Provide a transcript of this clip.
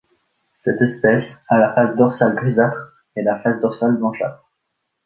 Cette espèce a la face dorsale grisâtre et la face dorsale blanchâtre.